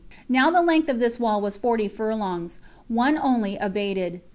Now the length of this wall was forty furlongs, one only abated.